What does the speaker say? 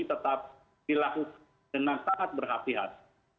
tetap dilakukan dengan sangat berhati hati